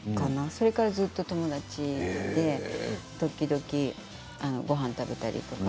それからずっと友達で時々ごはん食べたりとか。